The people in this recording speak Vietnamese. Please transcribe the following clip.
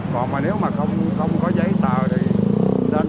còn nếu không có giấy tờ thì nên quay lại